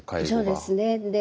そうですね。